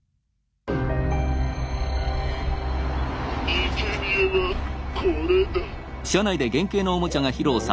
「いけにえはこれだ」。